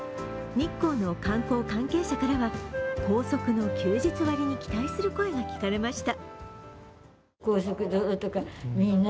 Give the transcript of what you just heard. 日光の観光関係者からは、高速の休日割に期待する声が聞かれました。